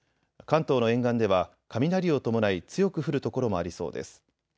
関東の沿岸では雷を伴い強く降る所もありそうです。